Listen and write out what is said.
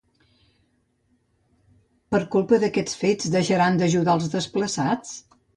Per culpa d'aquests fets, deixaran d'ajudar als desplaçats?